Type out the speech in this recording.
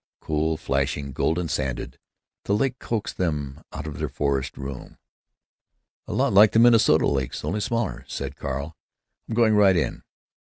Cool, flashing, golden sanded, the lake coaxed them out of their forest room. "A lot like the Minnesota lakes, only smaller," said Carl. "I'm going right in.